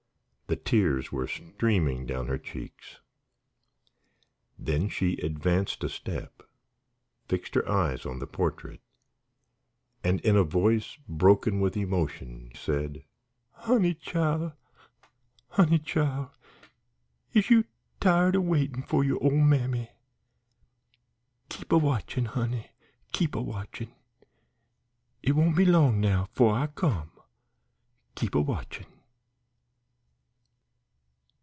The tears were streaming down her cheeks. Then she advanced a step, fixed her eyes on the portrait, and in a voice broken with emotion, said: "Honey, chile, honey, chile, is you tired a waitin' for yo' ole mammy? Keep a watchin', honey keep a watchin' It won't be long now 'fore I come. Keep a watchin'."